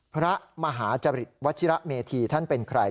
พระมหาจริตวัชิระเมธีท่านเป็นใคร